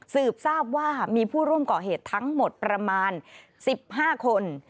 สืบทราบว่ามีผู้ร่วมก่อเหตุทั้งหมดประมาณ๑๕คน